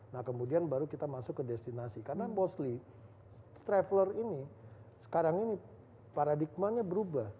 nah kemudian baru kita masuk ke destinasi karena mostly traveler ini sekarang ini paradigmanya berubah